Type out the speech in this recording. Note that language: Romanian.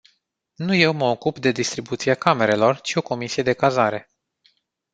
Nu eu mă ocup de distribuția camerelor, ci o comisie de cazare.